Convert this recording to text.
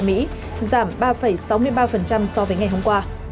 giảm ba sáu mươi ba so với ngày hôm qua